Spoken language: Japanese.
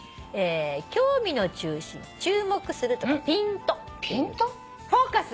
「興味の中心」「注目する」とか「ピント」フォーカス。